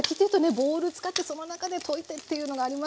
ボウル使ってその中で溶いてっていうのがありますけど。